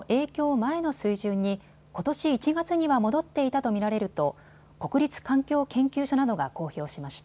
前の水準に、ことし１月には戻っていたと見られると国立環境研究所などが公表しました。